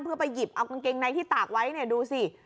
เพื่อไปหยิบเอากางเกงในที่ตากไว้เนี่ยดูสิ